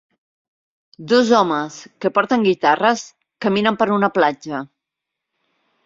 Dos homes, que porten guitarres, caminen per una platja.